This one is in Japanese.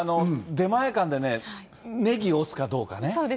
出前館でね、ネギ押すかどうかね。